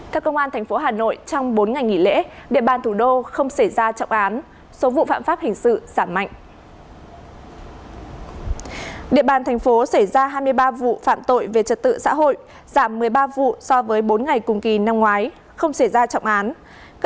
các công an thành phố hà nội trong bốn ngày nghỉ lễ địa bàn thủ đô không xảy ra trọng án số vụ phạm pháp hình sự giảm mạnh